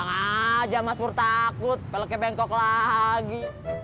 gak aja mas pur takut peluknya bengkok lagi